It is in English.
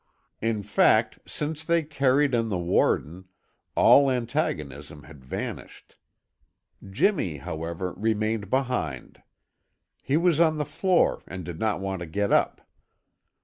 In fact, since they carried in the warden, all antagonism had vanished. Jimmy, however, remained behind. He was on the floor and did not want to get up.